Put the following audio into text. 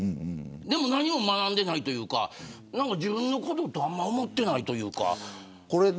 でも何も学んでないというか自分のこととあまり思ってないというか。